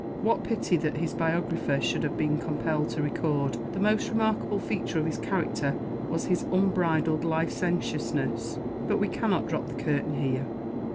What pity that his biographer should have been compelled to record, "The most remarkable feature of his character was his unbridled licentiousness"! But we cannot drop the curtain here.